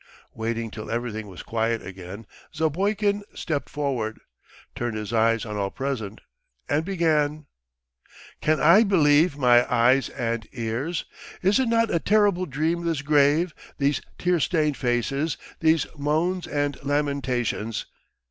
Waiting till everything was quiet again Zapoikin stepped forward, turned his eyes on all present, and began: "Can I believe my eyes and ears? Is it not a terrible dream this grave, these tear stained faces, these moans and lamentations?